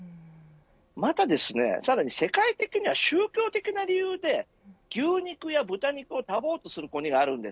またさらに世界的には宗教的な理由で牛肉や豚肉をタブーとする国があります。